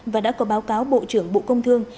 và đã có báo cáo bộ trưởng bộ công thương